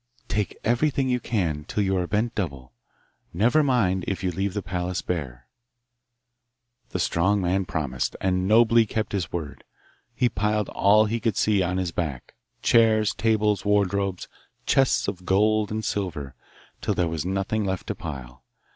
'Take everything you can, till you are bent double. Never mind if you leave the palace bare.' The strong man promised, and nobly kept his word. He piled all he could see on his back chairs, tables, wardrobes, chests of gold and silver till there was nothing left to pile.